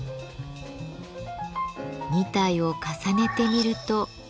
２体を重ねてみると。